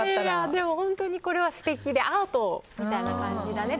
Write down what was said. でも本当に、これは素敵でアートみたいな感じだね